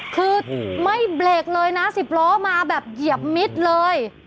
คือไม่เบรกเลยนะ๑๐ล้อมาแบบเหยียบมิดเลย